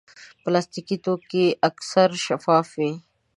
پلاستيکي توکي اکثر شفاف وي.